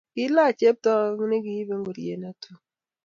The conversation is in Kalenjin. kiilach chepto ne kiibei ngorie ne tui